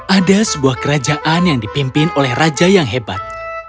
ada sebuah kerajaan yang dipimpin oleh raja yang hebat